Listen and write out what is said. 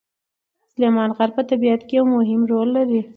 سلیمان غر په طبیعت کې مهم رول لري.